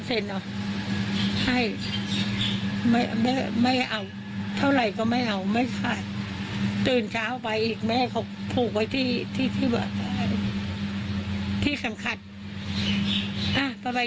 แต่ตอนวันเมื่อโรคก็แต่คุณผู้ชมด้วยกับผม